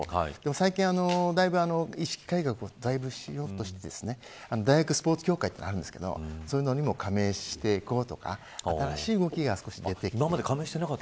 最近、意識改革をだいぶしようとしていて大学スポーツ協会というものがあるんですがそれにも加盟していこうとか新しい動きが出ていました。